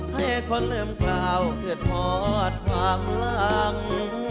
ให้คนลืมกล่าวขึ้นหมดความหลัง